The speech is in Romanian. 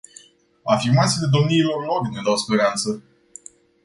Afirmațiile domniilor lor ne dau speranță.